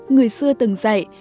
người xưa từng dạy